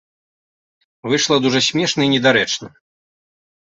Выйшла дужа смешна і недарэчна.